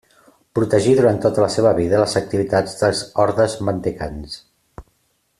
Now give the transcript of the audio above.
Protegí durant tota la seva vida les activitats dels ordes mendicants.